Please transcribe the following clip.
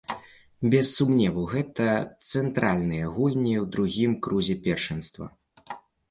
Без сумневу, гэта цэнтральныя гульні ў другім крузе першынства.